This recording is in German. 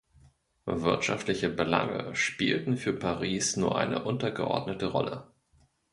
Wirtschaftliche Belange spielten für Paris nur eine untergeordnete Rolle.